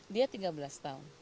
dia tiga belas tahun